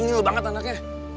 ini lu banget anaknya